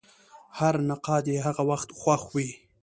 هر نقاد یې هغه وخت خوښ وي.